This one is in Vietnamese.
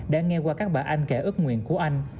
đã nghe qua các bà anh kẻ ước nguyện của anh